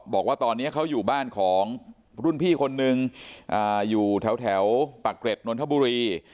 บอกว่าตอนนี้เขาอยู่บ้านของรุ่นพี่คนนึงอยู่แถวปากเกร็ดนนทบุรี